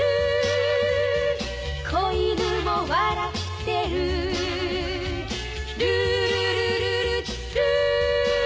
「小犬も笑ってる」「ルールルルルルー」